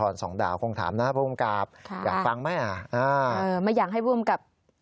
อยากฟังไหมอ่ะ